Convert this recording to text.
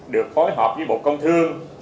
được phối hợp với bộ công thương